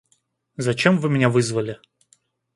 Зачем вы меня вызвали?